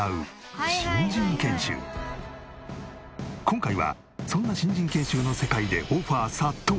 今回はそんな新人研修の世界でオファー殺到！